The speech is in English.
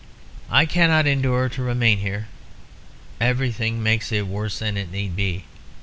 "I cannot endure to remain here. Everything makes it worse than it need be.